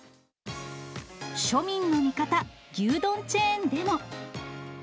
庶民の味方、牛丼チェーンでも。